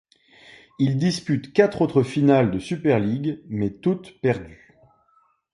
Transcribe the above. Il dispute quatre autres finales de Super League mais toutes perdues.